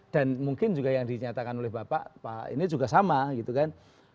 dan mungkin juga yang dinyatakan oleh bapak pak ini juga sama gitu kan